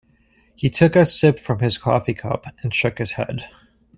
He took a sip from his coffee cup and shook his head.